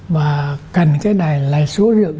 mà cần cái này là số lượng